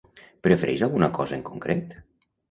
Prefereix alguna cosa en concret?